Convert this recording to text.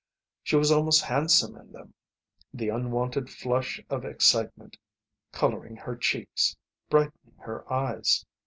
She was almost handsome in them, the unwonted flush of excitement colouring her cheeks, brightening her eyes.